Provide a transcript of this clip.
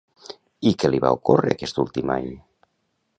I què li va ocórrer aquest últim any?